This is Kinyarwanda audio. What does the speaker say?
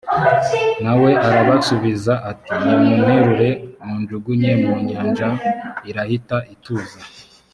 na we arabasubiza ati nimunterure munjugunye mu nyanja irahita ituza